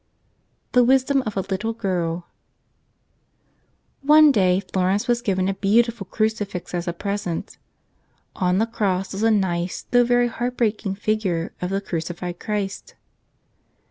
Cfce (KHfsoom of a Little <5itl ONE DAY Florence was given a beautiful cru¬ cifix as a present. On the cross was a nice, though very heart breaking, figure of the crucified Christ.